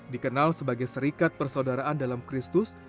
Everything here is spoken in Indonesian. dikenal sebagai serikat persaudaraan dalam kristus